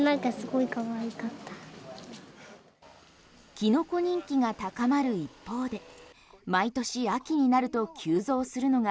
キノコ人気が高まる一方で毎年秋になると急増するのが